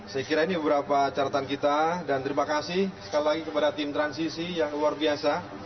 saya kira ini beberapa caratan kita dan terima kasih sekali lagi kepada tim transisi yang luar biasa